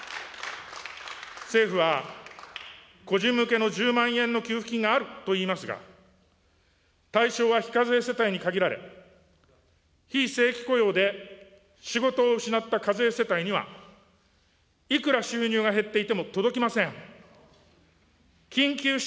政府は個人向けの１０万円の給付金があるといいますが、対象は非課税世帯に限られ、非正規雇用で仕事を失った非課税世帯には、いくら収入が減っていても届きません。